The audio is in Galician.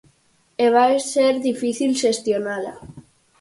E vai ser difícil xestionala.